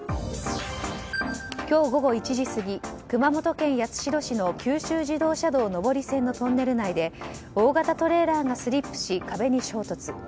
今日午後１時過ぎ熊本県八代市の九州自動車道上り線のトンネル内で大型トレーラーがスリップし壁に衝突。